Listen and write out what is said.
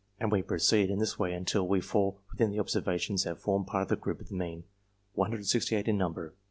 and we proceed in this way until we fall within the observations that form part of the group of the mean, 168 in number.